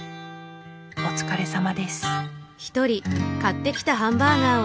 お疲れさまです。